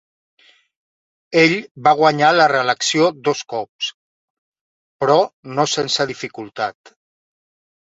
Ell va guanyar la reelecció dos cops, però no sense dificultat.